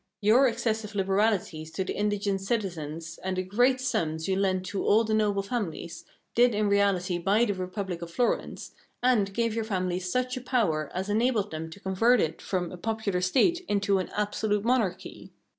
Your excessive liberalities to the indigent citizens, and the great sums you lent to all the noble families, did in reality buy the Republic of Florence, and gave your family such a power as enabled them to convert it from a popular State into an absolute monarchy.